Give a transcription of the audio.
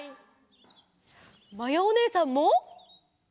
まやおねえさんも。